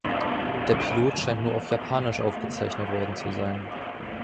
Der Pilot scheint nur auf japanisch aufgezeichnet worden zu sein.